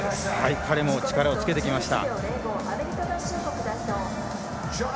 彼も力をつけてきました。